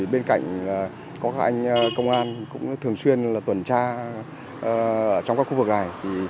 bên cạnh có các anh công an cũng thường xuyên tuần tra trong các khu vực này